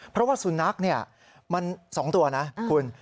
เพราะว่าสุนัขมัน๒ตัวนะคุณ